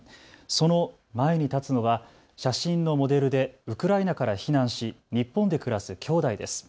その前に立つのは写真のモデルでウクライナから避難し日本で暮らすきょうだいです。